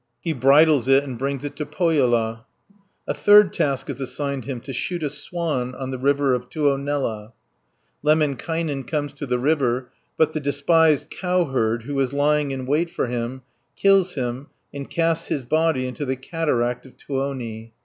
He bridles it and brings it to Pohjola (271 372). A third task is assigned him, to shoot a swan on the river of Tuonela, Lemminkainen comes to the river, but the despised cowherd, who is lying in wait for him, kills him, and casts his body into the cataract of Tuoni.